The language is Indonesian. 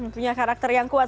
punya karakter yang kuat